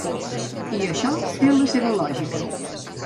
I això té la seva lògica.